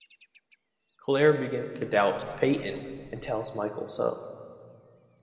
Claire begins to doubt "Peyton" and tells Michael so.